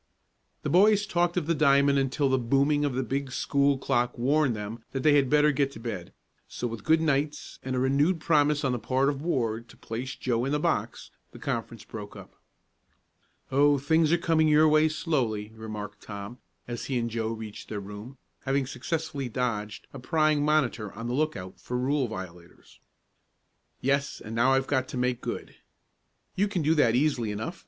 The boys talked of the diamond until the booming of the big school clock warned them that they had better get to bed; so with good nights and a renewed promise on the part of Ward to place Joe in the box, the conference broke up. "Oh, things are coming your way slowly," remarked Tom, as he and Joe reached their room, having successfully dodged a prying monitor on the look out for rule violators. "Yes, and now I've got to make good." "You can do that easily enough.